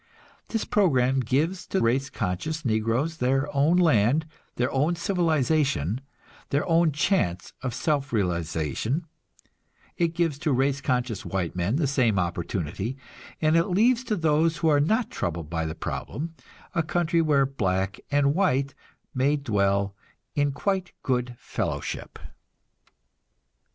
This program gives to race conscious negroes their own land, their own civilization, their own chance of self realization; it gives to race conscious white men the same opportunity; and it leaves to those who are not troubled by the problem, a country where black and white may dwell in quiet good fellowship.